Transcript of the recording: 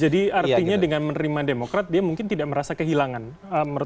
jadi artinya dengan menerima demokrat dia mungkin tidak merasa kehilangan ke pirientes